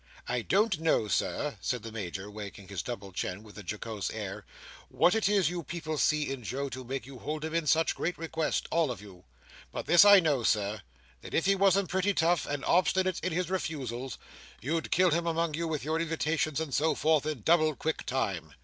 I don't know, Sir," said the Major, wagging his double chin with a jocose air, "what it is you people see in Joe to make you hold him in such great request, all of you; but this I know, Sir, that if he wasn't pretty tough, and obstinate in his refusals, you'd kill him among you with your invitations and so forth, in double quick time."